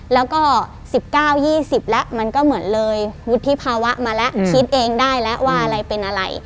แล้วก็๑๙๒๐แล้วมันก็เหมือนเลยวุฒิภาวะมาแล้วคิดเองได้แล้วว่าอะไรเป็นอะไร